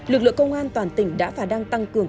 lực lượng công an toàn tỉnh đã và đang tăng cường